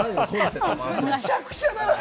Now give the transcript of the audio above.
むちゃくちゃだな。